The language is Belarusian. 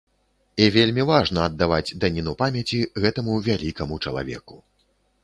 І вельмі важна аддаваць даніну памяці гэтаму вялікаму чалавеку.